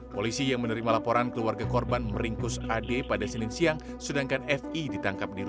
polisi yang menerima laporan keluarga korban